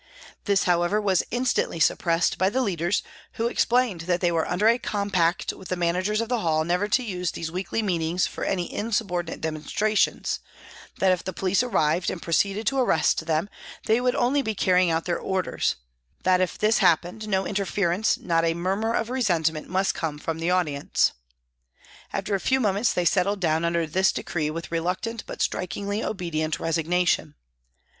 This, however, was instantly suppressed by the leaders, who explained that they were under a compact with the managers of the hall never to use these weekly meetings for any insubordinate demonstrations ; that if the police arrived and proceeded to arrest them they would only be carrying out their orders ; that if this happened, no interference, not a murmur of resentment must come from the audience. After a few moments they settled down under this decree with reluctant but strikingly obedient resignation.